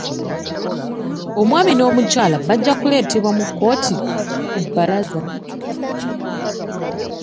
Omwami n'omukyala bajja kuleteebwa mu kkooti ku bbalaza.